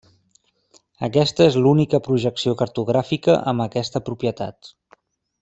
Aquesta és l'única projecció cartogràfica amb aquesta propietat.